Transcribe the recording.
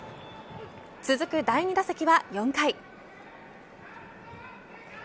続く第２打席は４回。